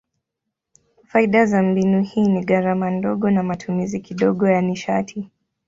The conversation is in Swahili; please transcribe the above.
Faida za mbinu hii ni gharama ndogo na matumizi kidogo ya nishati.